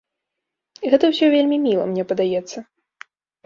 Гэта ўсё вельмі міла, мне падаецца.